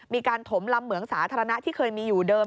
ถมลำเหมืองสาธารณะที่เคยมีอยู่เดิม